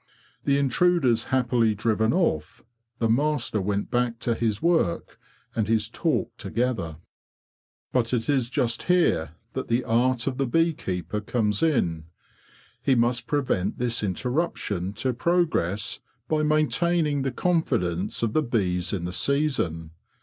The intruders happily driven off, the master went back to his work and his talk together. 'But it is just here that the art of the bee keeper comes in. He must prevent this interruption to progress by maintaining the confidence of the bees in the season.